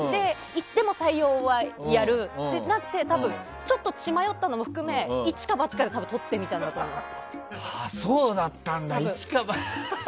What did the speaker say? でも採用はやるってなって多分、ちょっと血迷ったのも含めイチかバチかで多分、とってみたんだと思います。